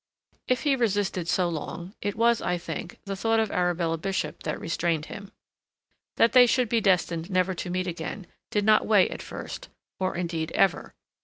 If he resisted so long, it was, I think, the thought of Arabella Bishop that restrained him. That they should be destined never to meet again did not weigh at first, or, indeed, ever.